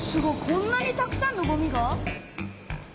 こんなにたくさんのごみが？